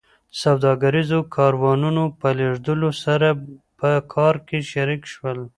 سوداګریزو کاروانونو په لېږدولو سره یې په کار کې شریک شول